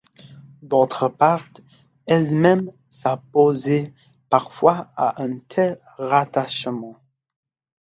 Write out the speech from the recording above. D'autre part, elles-mêmes s'opposaient parfois à un tel rattachement.